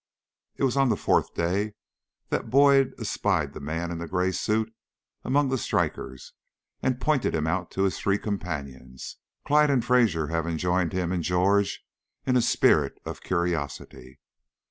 It was on the fourth day that Boyd espied the man in the gray suit among the strikers and pointed him out to his three companions, Clyde and Fraser having joined him and George in a spirit of curiosity.